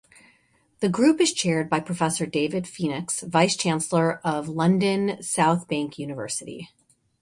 The group is chaired by Professor David Phoenix, Vice-Chancellor of London South Bank University.